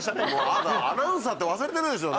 あなたアナウンサーって忘れてるでしょ？